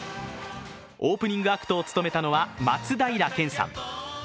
オープニングアクトを務めたのは松平健さん。